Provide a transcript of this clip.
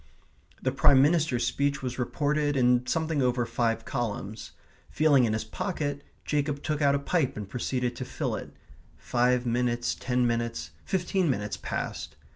The Prime Minister's speech was reported in something over five columns. Feeling in his pocket, Jacob took out a pipe and proceeded to fill it. Five minutes, ten minutes, fifteen minutes passed.